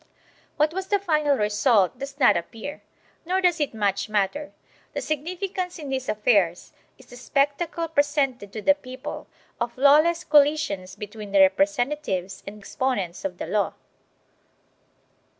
1 What was the final result does not appear, nor does it much matter; the significance in these affairs is the spectacle presented to the people of lawless collisions between the representatives and exponents of the law.